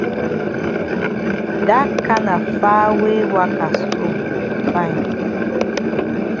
Dat kana far way waka so fine.